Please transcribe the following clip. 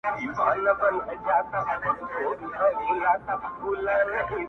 اوس ترې سوال د ديدن نهٔ کـــړم اوس به خــپله ديدن راوړی